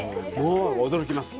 驚きます。